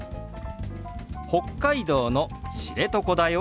「北海道の知床だよ」。